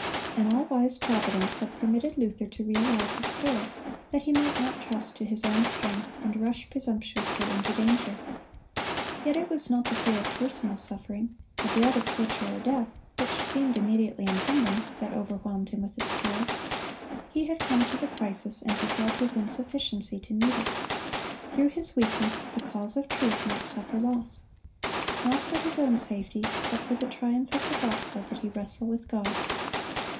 (217) An all wise Providence had permitted Luther to realize his peril, that he might not trust to his own strength, and rush presumptuously into danger. Yet it was not the fear of personal suffering, a dread of torture or death, which seemed immediately impending, that overwhelmed him with its terror. He had come to the crisis, and he felt his insufficiency to meet it. Through his weakness the cause of truth might suffer loss. Not for his own safety, but for the triumph of the gospel did he wrestle with God.